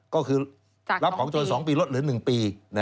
ก็คือรับของโจรสองปีลดเหลือหนึ่งปี